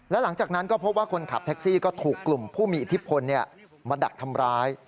และหลังจากนั้นก็พบว่าคนขับแท็กซี่ก็ถูกกลุ่มผู้มีอิทธิพลมาดักทำร้าย